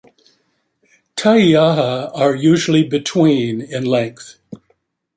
Taiaha are usually between in length.